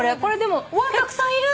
うわたくさんいる。